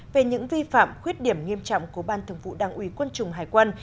về những vi phạm khuyết điểm nghiêm trọng của ban thường vụ đảng ủy quân chủng hải quân